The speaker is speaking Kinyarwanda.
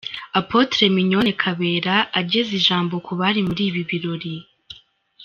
Apotre Alice Migonne Kabera ageza ijambo ku bari muri ibi birori.